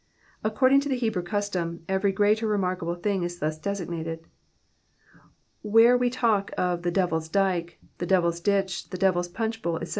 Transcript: According to the Hebrew custom, every great or remarkable thing is thus designated. Where we talk of the DeviVs Dyke, the DeviPs Ditch, the Devirs Punch Bowl, etc.